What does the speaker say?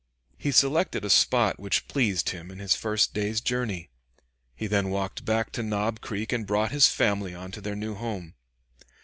He selected a spot which pleased him in his first day's journey. He then walked back to Knob Creek and brought his family on to their new home.